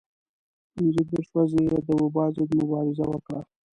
پنځه دېرش ورځې یې د وبا ضد مبارزه وکړه.